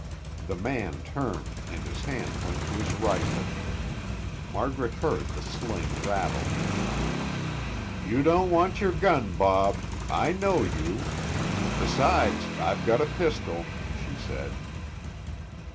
The man turned and his hand went to his rifle. Margaret heard the sling rattle. "You don't want your gun, Bob; I know you. Besides, I've got a pistol," she said.